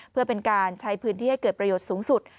เพื่อเป็นการใช้พื้นที่ให้เกิดประโยชน์สูงสุด